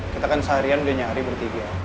kita kan seharian udah nyari bertiga